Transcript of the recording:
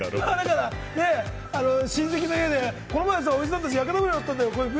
親戚の家で、この前、おじさんたち屋形船に乗ったんだよ。